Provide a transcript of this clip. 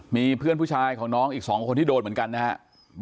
มีเพื่อนผู้ชายของน้องอีก๒คนที่โดนเหมือนกันนะครับ